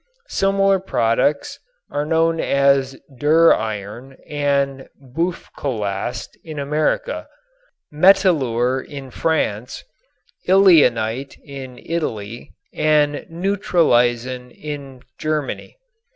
Similar products are known as "duriron" and "Buflokast" in America, "metilure" in France, "ileanite" in Italy and "neutraleisen" in Germany.